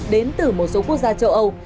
đến từ một số quốc gia châu âu